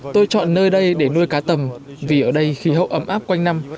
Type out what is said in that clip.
tôi chọn nơi đây để nuôi cá tầm vì ở đây khí hậu ấm áp quanh năm